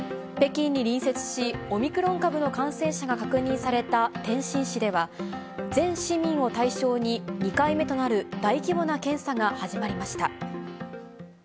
北京に隣接し、オミクロン株の感染者が確認された天津市では、全市民を対象に２回目となる大規模な検査が始まりました。